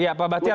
iya pak batiar